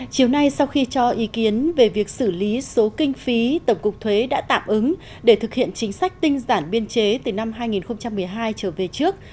chiều nay sau khi cho ý kiến về việc xử lý số kinh phí tổng cục thuế đã tạm ứng để thực hiện chính sách tinh giản biên chế từ năm hai nghìn một mươi hai trở về trước